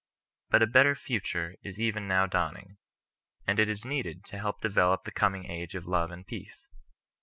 But a l^etter future is even now dawning, and it is needed to help to develope the coming age of love and peace.